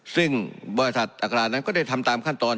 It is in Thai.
ซึ่งบริษัทอัครานั้นก็ได้ทำตามขั้นตอน